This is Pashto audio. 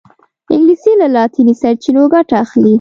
انګلیسي له لاطیني سرچینو ګټه اخلي